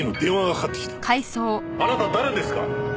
あなた誰ですか？